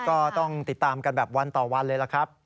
ก็ต้องติดตามกันแบบวันต่อวันเลยล่ะครับ